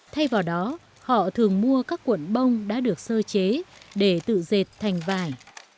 thay vào đó họ thường mua các cuộn bông đã được sơ chế để tự dệt thành vải